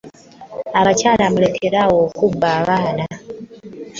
Abakyala mulekere awo okubba abaana.